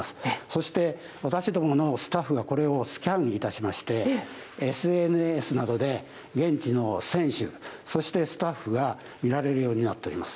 そして私どものスタッフがこれをスキャンいたしまして、ＳＮＳなどで、現地の選手、そしてスタッフが見られるようになっておりま